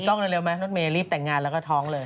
ปิดกล้องเร็วมั้ยรถเมย์รีบแต่งงานแล้วก็ท้องเลย